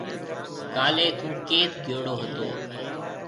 ڪاليَ ٿُون ڪيٿ گيوڙو هتو۔